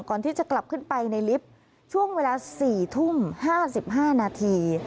ก่อนที่จะกลับขึ้นไปในลิฟต์ช่วงเวลา๔ทุ่ม๕๕นาที